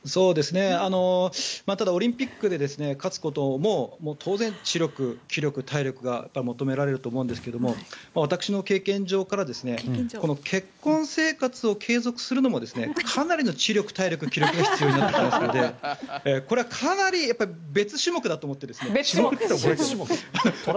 ただオリンピックで勝つことも当然、知力、気力、体力が求められると思うんですが私の経験上から結婚生活を継続するのもかなりの知力、気力、体力が必要になってきますのでこれはかなり別種目だと思ってます。